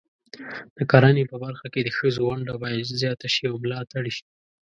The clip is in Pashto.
د کرنې په برخه کې د ښځو ونډه باید زیاته شي او ملاتړ شي.